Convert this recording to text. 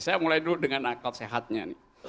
saya mulai dulu dengan akal sehatnya nih